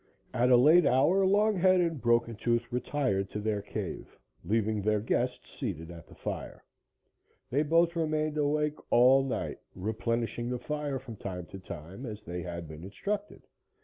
At a late hour Longhead and Broken Tooth retired to their cave, leaving their guests seated at the fire. They both remained awake all night, replenishing the fire from time to time, as they had been instructed.